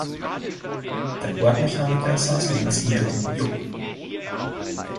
Der Bordmechaniker saß links hinter dem Piloten.